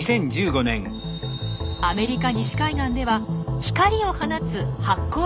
アメリカ西海岸では光を放つ発光生物を。